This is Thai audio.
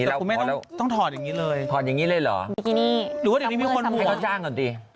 หวัดให้เธอจ้างก่อนสิ